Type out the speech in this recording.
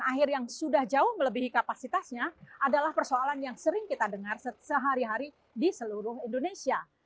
dan akhir yang sudah jauh melebihi kapasitasnya adalah persoalan yang sering kita dengar sehari hari di seluruh indonesia